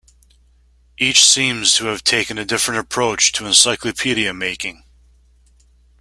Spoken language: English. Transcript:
Each seems to have taken a different approach to encyclopedia-making.